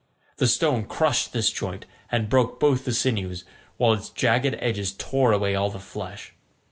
The stone crushed this joint, and broke both the sinews, while its jagged edges tore away all the flesh.